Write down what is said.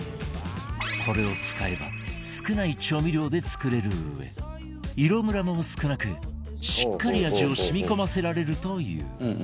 これを使えば少ない調味料で作れるうえ色ムラも少なくしっかり味を染み込ませられるという